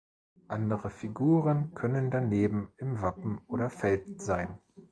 Andere Figuren können daneben im Wappen oder Feld sein.